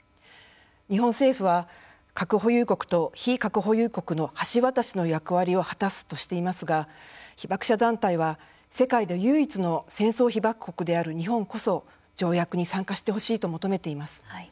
日本政府は、核保有国と非核保有国の橋渡しの役割を果たすとしていますが被爆者団体は世界で唯一の戦争被爆国である日本こそ条約に参加してほしいと求めています。